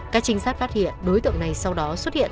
các trinh sát phát hiện đối tượng này sau đó xuất hiện